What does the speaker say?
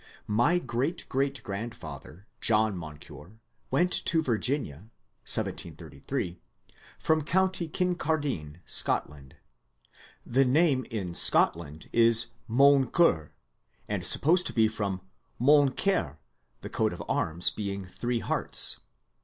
My great great grandfather, John Moncure, went to Virginia (1733) from County Kincardine, Scotland. The name in Scotland is Moncur, and supposed to be from ^^ mon comr^'' the coat of arms being three hearts.